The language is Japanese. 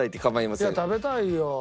いや食べたいよ。